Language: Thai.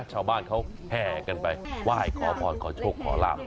ชาวบ้านเขาแห่กันไปไหว้ขอพรขอโชคขอลาบ